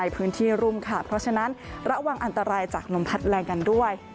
เพราะฉะนั้นระหว่างอันตรายจากนมพัดแรงกันด้วย